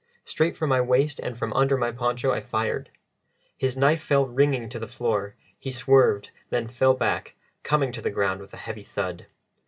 Straight from my waist, and from under my poncho, I fired. His knife fell ringing on to the floor; he swerved, then fell back, coming to the ground with a heavy thud.